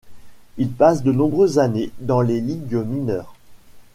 Il passe de nombreuses années dans les ligues mineures.